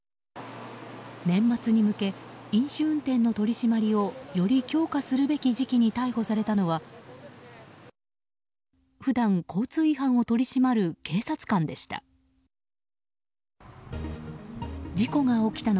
年末に向け飲酒運転の取り締まりをより強化するべき時期に逮捕されたのは普段、交通違反を取り締まる警察官でした。